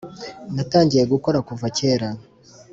natangiye gukora kuva kera